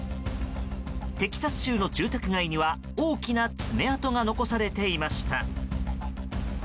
テキサス州の住宅街には大きな爪痕が残されていました。